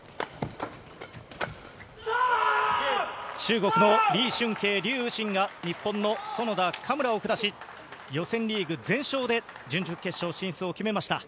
中国のリ・シュンケイ、リュウ・ウシンが日本の園田・嘉村を下し、予選リーグ全勝で準決勝進出を決めました。